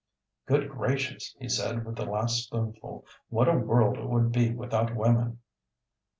"Good gracious," he said, with the last spoonful, "what a world it would be without women!"